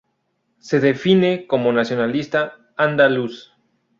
Se define como nacionalista andaluz.